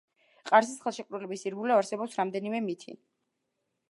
ყარსის ხელშეკრულების ირგვლივ არსებობს რამდენიმე მითი.